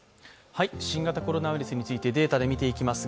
新型コロナウイルスについてデータで見ていきます。